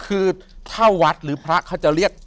คือถ้าวัดหรือพระเขาจะเรียก